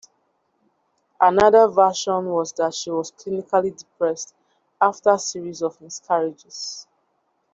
Another version was that she was clinically depressed, after a series of miscarriages.